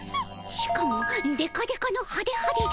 しかもデカデカのハデハデじゃの。